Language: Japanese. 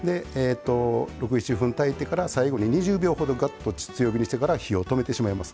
６７分、炊いてから最後に２０秒ほど強火にしてから火を止めてしまいます。